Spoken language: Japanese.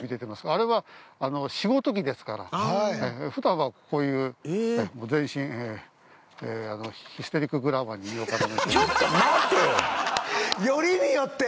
あれは仕事着ですからふだんは、こういう全身ヒステリックグラマーに身を固めて。